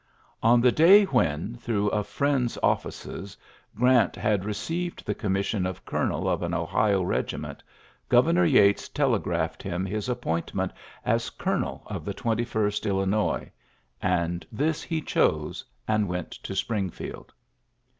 On the day when, through a Mend's offices. Grant had received the commission of colonel of an Ohio regiment, Governor Yates telegraphed him his appointment as colonel of the Twenty first Illinois j and this he chose, and went to Springfield.